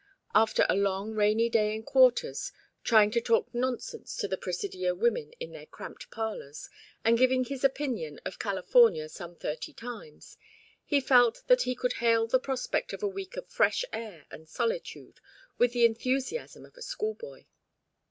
After a long rainy day in quarters, trying to talk nonsense to the Presidio women in their cramped parlours, and giving his opinion of California some thirty times, he felt that he could hail the prospect of a week of fresh air and solitude with the enthusiasm of a schoolboy.